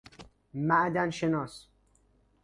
معدن شناس